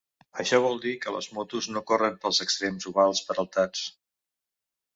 Això vol dir que les motos no corren pels extrems ovals peraltats.